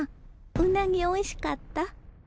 うなぎおいしかった？